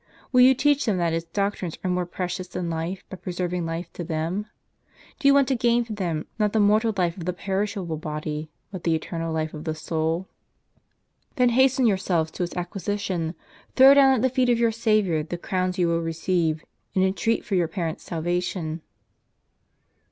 will you teach them that its doctrines are more precious than life, by preferring life to them ? Do you want to gain for them, not the mortal life of the perishable body, but the eternal life of the soul? then c=£ hasten yourselves to its acquisition ; throw down at the feet of your Saviour the crowns you will receive, and entreat for your parents' salvation."